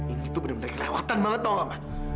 indi tuh bener bener kelewatan banget tau nggak ma